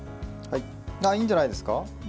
いいんじゃないですか？